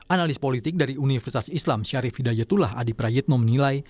analis politik dari universitas islam syarif hidayatullah adi prayitno menilai